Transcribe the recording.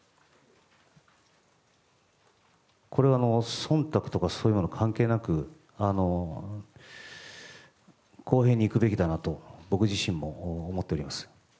これは忖度とかそういうもの関係なく公平にいくべきだなと僕自身も思っております。